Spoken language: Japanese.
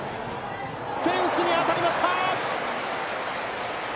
フェンスに当たりました！